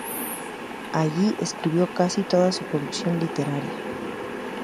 Allí escribió casi toda su producción literaria.